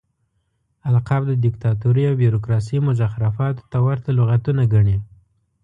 القاب د ديکتاتورۍ او بيروکراسۍ مزخرفاتو ته ورته لغتونه ګڼي.